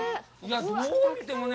どう見てもね。